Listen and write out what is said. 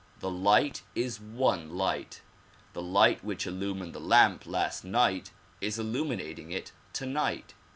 The light is one light. The light which illumined this lamp last night is illuminating it tonight.